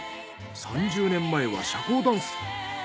３０年前は社交ダンス。